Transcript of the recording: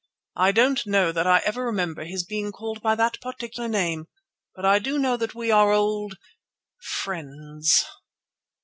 "I don't know that I ever remember his being called by that particular name, but I do know that we are old—friends."